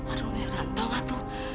aduh merantong atu